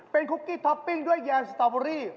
เป็นคุกกี้ท็อปปิ้งด้วยแยนสตอเบอรี่